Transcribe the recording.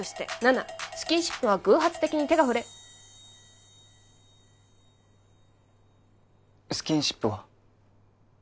７スキンシップは偶発的に手が触れスキンシップは？